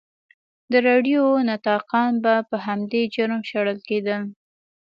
د راډیو نطاقان به په همدې جرم شړل کېدل.